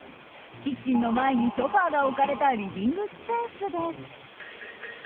キッチンの前にソファが置かれたリビングスペースです。